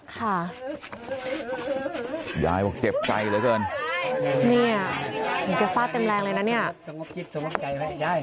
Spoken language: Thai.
ค่ะยายบอกเจ็บใจเหลือเกินเนี่ยแกฟาดเต็มแรงเลยนะเนี่ย